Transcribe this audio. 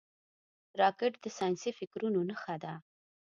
راکټ د ساینسي فکرونو نښه ده